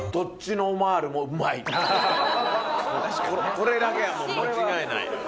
これだけはもう間違いない。